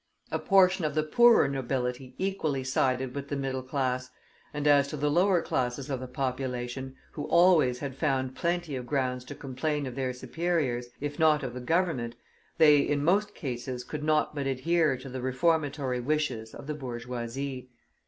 A portion of the poorer nobility equally sided with the middle class, and as to the lower classes of the population, who always had found plenty of grounds to complain of their superiors, if not of the Government, they in most cases could not but adhere to the reformatory wishes of the bourgeoisie.